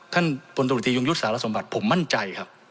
ท่านพลตรวจตรียุงยุทธ์สารสมบัติผมมั่นใจครับ